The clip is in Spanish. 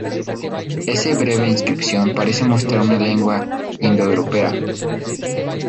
Ese breve inscripción parece mostrar una lengua indoeuropea.